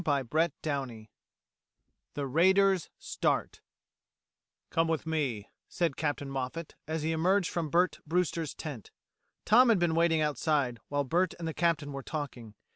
CHAPTER TWO THE RAIDERS START "Come with me," said Captain Moffat, as he emerged from Bert Brewster's tent. Tom had been waiting outside, while Bert and the Captain were talking.